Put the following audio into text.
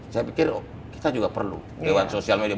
saya pikir kita juga perlu dewan sosial media